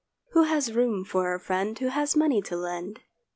Who has room for a friend Who has money to lend?